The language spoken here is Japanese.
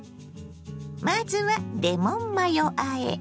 まずはレモンマヨあえ。